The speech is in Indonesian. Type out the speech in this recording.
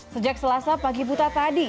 sejak selasa pagi buta tadi